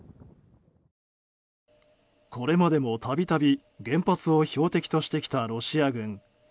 これまでも度々原発を標的としてきたロシア軍。